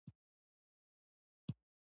ایا زما معده به سورۍ شي؟